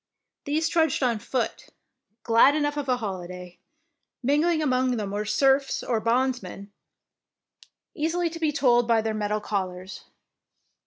These trudged on foot, glad enough of a holiday. Mingling among them were serfs or bondsmen, easily to be told by their metal collars.